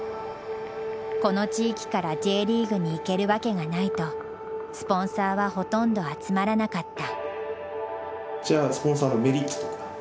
この地域からＪリーグに行けるわけがないとスポンサーはほとんど集まらなかった。